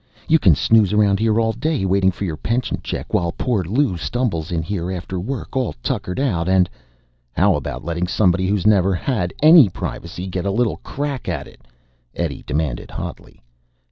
You can snooze around here all day, waiting for your pension check, while poor Lou stumbles in here after work, all tuckered out, and " "How about letting somebody who's never had any privacy get a little crack at it?" Eddie demanded hotly.